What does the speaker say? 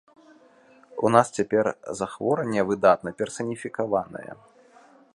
У нас цяпер захворванне выдатна персаніфікаванае.